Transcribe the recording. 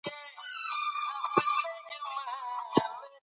الټراساؤنډ د دقیق ځای پېژندنه کوي.